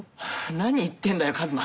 何言ってんだよ一馬！